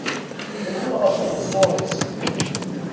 Terwel ɣef uxeẓẓur-is.